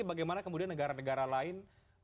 bagaimana kemudian negara negara lain